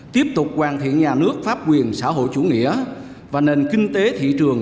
tiếp tục hoàn thiện nhà nước pháp quyền xã hội chủ nghĩa và nền kinh tế thị trường